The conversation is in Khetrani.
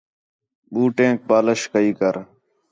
بوٹیک پالش کئی کر